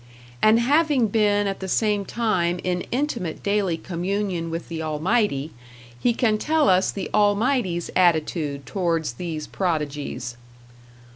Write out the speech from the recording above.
And having been at the same time in intimate daily communion with the Almighty, he can tell us the Almighty's attitude towards these prodigies.